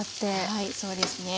はいそうですね。